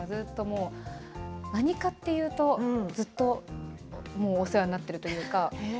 何かというとずっとお世話になっているというか。